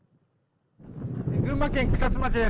群馬県草津町です。